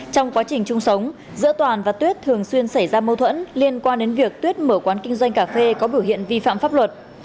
trong quá trình chung sống giữa toàn và tuyết thường xuyên xảy ra mâu thuẫn liên quan đến việc tuyết mở quán kinh doanh cà phê có biểu hiện vi phạm pháp luật